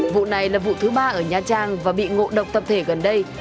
vụ này là vụ thứ ba ở nha trang và bị ngộ độc tập thể gần đây